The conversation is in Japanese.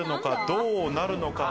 どうなるのか？